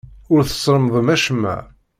Ur tesremdem acemma.